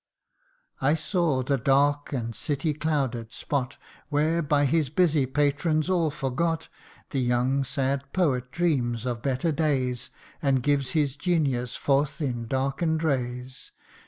" I saw the dark and city clouded spot, Where, by his busy patrons all forgot, The young sad poet dreams of better days, And gives his genius forth in darken 'd rays.